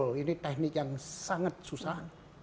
oh ini teknik yang sangat susah